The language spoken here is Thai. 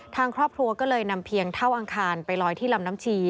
ทางครอบครัวก็เลยนำเพียงเท่าอังคารไปลอยที่ลำน้ำชี